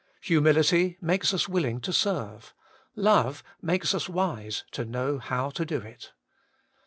Humility makes us willing to serve ; love makes us wise to know how to do it.